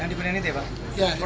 yang diperniati ya pak